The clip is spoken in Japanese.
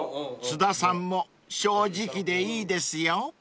［津田さんも正直でいいですよ］